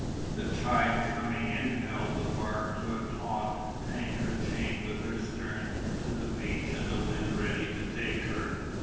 The tide coming in held the barque to a taut anchor chain with her stern to the beach and the wind ready to take her.